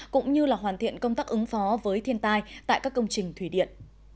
cũng như hoàn thiện công tác ứng phó với thiên tai tại các công trình thủy điện